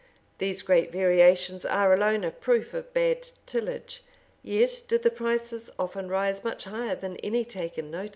These great variations are alone a proof of bad tillage:[] yet did the prices often rise much higher than any taken notice of by the statute.